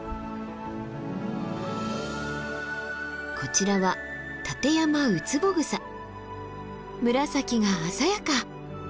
こちらは紫が鮮やか。